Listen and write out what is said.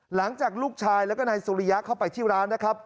หลังจากลูกชายแล้วก็นายสุริยะเข้าไปที่ร้านนะครับ